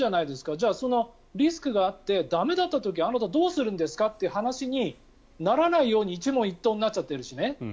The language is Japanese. じゃあそのリスクがあって駄目だった時あなたはどうするんですか？という話にならないように一問一答になっちゃってるしね。